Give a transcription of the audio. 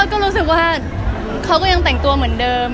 ก็รู้สึกว่าเขาก็ยังแต่งตัวเหมือนเดิม